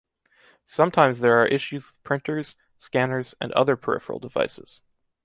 Sometimes there are issues with printers, scanners and other peripheral devices.